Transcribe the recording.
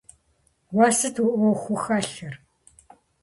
Уэ сыт уи ӏуэхуу хэлъыр?